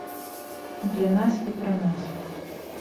Для нас і пра нас.